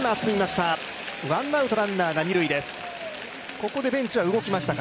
ここでベンチは動きましたか。